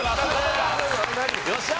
よっしゃ！